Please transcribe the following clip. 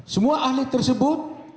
semua ahli tersebut